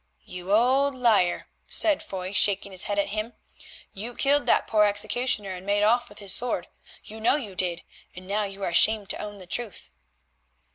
"You old liar," said Foy shaking his head at him, "you killed that poor executioner and made off with his sword. You know you did, and now you are ashamed to own the truth."